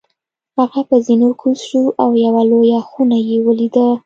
هغه په زینو کوز شو او یوه لویه خونه یې ولیده.